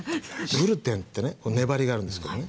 グルテンってね粘りがあるんですけどね